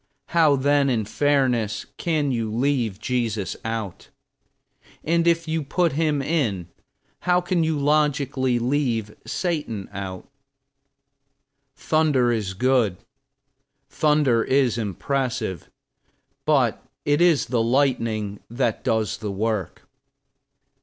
How then, in fairness, can you leave Jesus out? And if you put him in, how can you logically leave Satan out? Thunder is good, thunder is impressive; but it is the lightning that does the work.